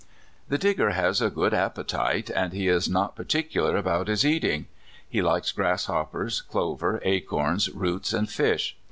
The Digger has a good appetite, and he is not particular about his eating. He likes grasshoppers, clover, acorns, roots, and fish.